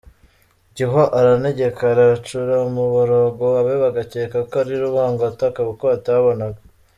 Gihwa aranegekara acura umuborogo abe bagakeka ko ari Rubango utaka kuko hatabonaga.